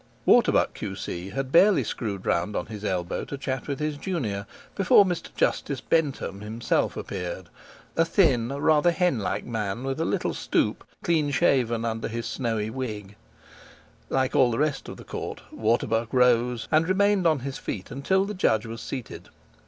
Waterbuck, Q.C., had barely screwed round on his elbow to chat with his Junior before Mr. Justice Bentham himself appeared—a thin, rather hen like man, with a little stoop, clean shaven under his snowy wig. Like all the rest of the court, Waterbuck rose, and remained on his feet until the judge was seated.